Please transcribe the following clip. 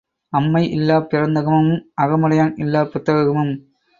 அம்மை இல்லாப் பிறந்தகமும் அகமுடையான் இல்லாப் புக்ககமும்.